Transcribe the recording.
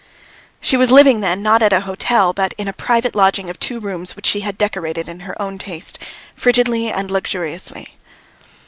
She was living then, not at an hotel, but in a private lodging of two rooms which she had decorated in her own taste, frigidly and luxuriously.